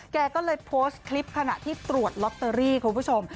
แกก็เลยโพสต์คลิปขณะที่ตรวจลอตเตอรี่คุณผู้ชม